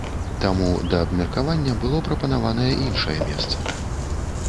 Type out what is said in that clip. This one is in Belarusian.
Таму да абмеркавання было прапанаванае іншае месца.